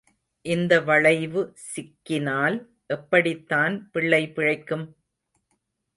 இந்த வளைவு சிக்கினால் எப்படித்தான் பிள்ளை பிழைக்கும்?